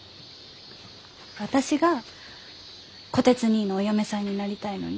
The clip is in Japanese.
私が虎鉄にいのお嫁さんになりたいのに？